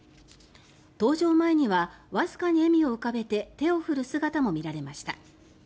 搭乗前にはわずかに笑みを浮かべて手を振る姿も見られました。